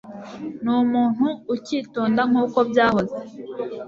Ni umuntu ukitonda nkuko byahoze.